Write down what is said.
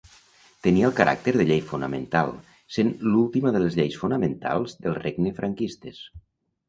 Tenia el caràcter de Llei Fonamental, sent l'última de les Lleis Fonamentals del Regne franquistes.